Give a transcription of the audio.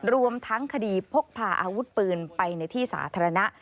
รวมทั้งคดีพกพาอาวุธปืนไปในที่สาธารณะ